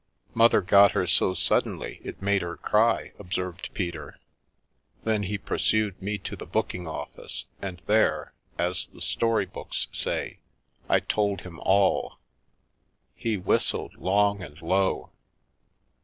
" Mother got her so suddenly it made her cry," ob served Peter. Then he pursued me to the booking office and there, as the story books say, I told him all. He whistled long and low.